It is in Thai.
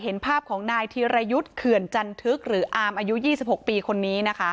เห็นภาพของนายธีรยุทธ์เขื่อนจันทึกหรืออามอายุ๒๖ปีคนนี้นะคะ